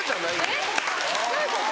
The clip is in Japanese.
えっどういうこと？